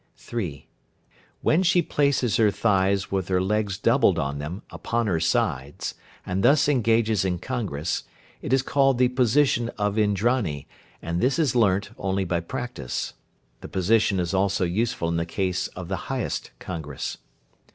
(3). When she places her thighs with her legs doubled on them upon her sides, and thus engages in congress, it is called the position of Indrani, and this is learnt only by practice. The position is also useful in the case of the "highest congress."